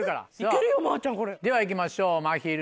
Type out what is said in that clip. では行きましょうまひる。